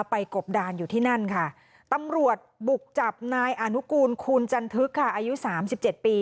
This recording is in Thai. ไปกบดานอยู่ที่นั่นค่ะตำรวจบบุกจับนายอนุกูลคูณจันทึกค่ะอายุ๓๗ปี